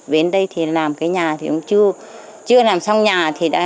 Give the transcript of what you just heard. về đến đây thì làm cái nhà thì cũng chưa làm xong nhà